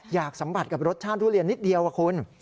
สัมผัสกับรสชาติทุเรียนนิดเดียวอะคุณ